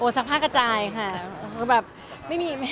โอ้สากผ้ากระจายค่ะ